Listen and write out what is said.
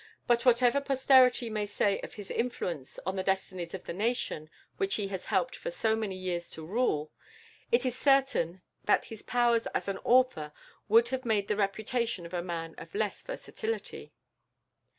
But whatever posterity may say of his influence on the destinies of the nation which he has helped for so many years to rule, it is certain that his powers as an author would have made the reputation of a man of less versatility.